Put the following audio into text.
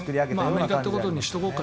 アメリカということにしておこうか。